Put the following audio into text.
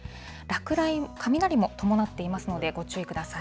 雷も伴っていますので、ご注意ください。